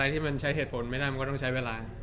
ที่มันใช้เหตุผลไม่ได้มันก็ต้องใช้เวลา